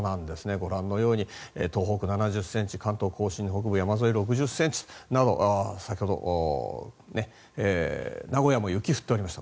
ご覧のように東北７０ｃｍ関東・甲信の山沿い６０ｃｍなど先ほど名古屋も雪が降っておりました。